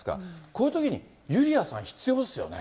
こういうときに、ユリアさん、必要ですよね。